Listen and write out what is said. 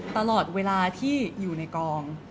ตลอดเวลาที่อยู่ในกอง